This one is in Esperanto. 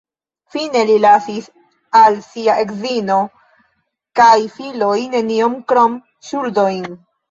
Fine li lasis al sia edzino kaj filoj nenion krom ŝuldojn.